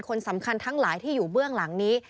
คนสำคัญทั้งหลายที่อยู่เบื้องหลังนี้